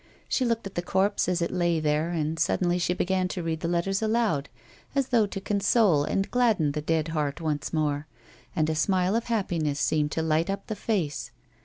She looked at the corpse as it lay there, and suddenly she began to read the letters aloud, as though to console and gladden the dead heart once more ; and a smile of happiness seemed to light up the face.